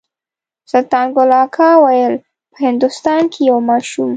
سلطان ګل اکا ویل په هندوستان کې یو ماشوم.